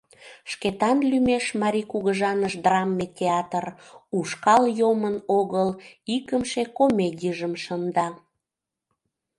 Шкетан лӱмеш Марий кугыжаныш драме театр «Ушкал йомын огыл» икымше комедийжым шында.